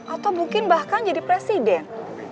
atau mungkin bahkan jadi presiden